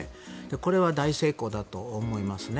これは大成功だと思いますね。